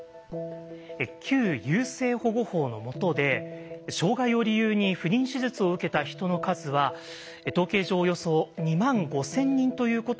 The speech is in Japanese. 旧優生保護法の下で障害を理由に不妊手術を受けた人の数は統計上およそ２万５，０００人ということは分かっています。